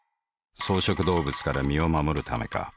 草食動物から身を護るためか。